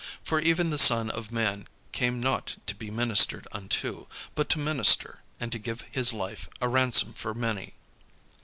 For even the Son of man came not to be ministered unto, but to minister, and to give his life a ransom for many."